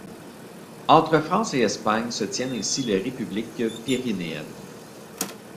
Entre France et Espagne se tiennent ainsi les républiques pyrénéennes.